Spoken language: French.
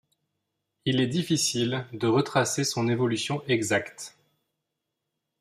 Il est difficile de retracer son évolution exacte.